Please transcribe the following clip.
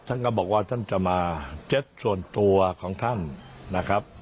ท่านก็บอกว่าท่านจะมาเจ็ตส่วนตัวของท่านนะครับ